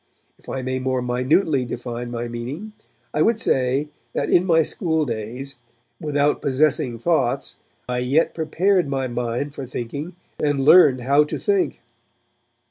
If I may more minutely define my meaning, I would say that in my schooldays, without possessing thoughts, I yet prepared my mind for thinking, and learned how to think.